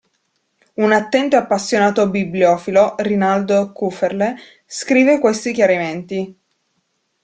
Un attento e appassionato bibliofilo, Rinaldo Kufferle, scrive questi chiarimenti.